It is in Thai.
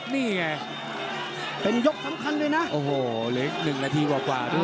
นี่ไงเป็นยกสำคัญด้วยน่ะโอ้โหเหล็กหนึ่งนาทีกว่ากว่าด้วย